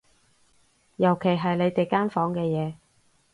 尤其係你哋間房嘅嘢